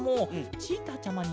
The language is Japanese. チーターちゃまに。